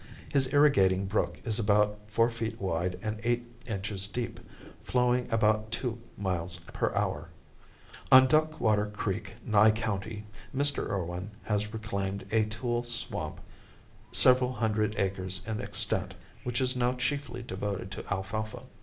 His irrigating brook is about four feet wide and eight inches deep, flowing about two miles per hour. On Duckwater Creek, Nye County, Mr. Irwin has reclaimed a tule swamp several hundred acres in extent, which is now chiefly devoted to alfalfa.